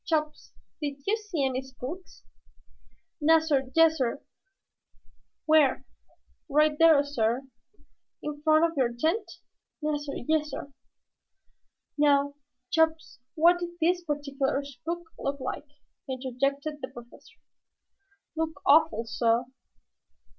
Chops, did you see any spooks?" "Nassir, yassir." "Where?" "Right dar, sah." "In front of your tent?" "Nassir, yassir." "Now, Chops, what did this particular spook look like?" interjected the Professor. "Look awful, sah!"